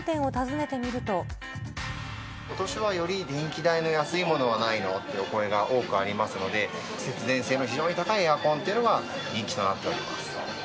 ことしはより電気代の安いものはないの？というお声が多くありますので、節電性の非常に高いエアコンというのが人気となっております。